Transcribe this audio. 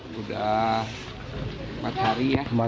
sudah empat hari ya